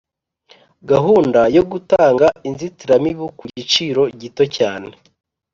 gahunda yo gutanga inzitiramibu ku giciro gito cyane